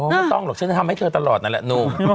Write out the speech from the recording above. ไม่ต้องหรอกฉันจะทำให้เธอตลอดนั่นแหละหนุ่ม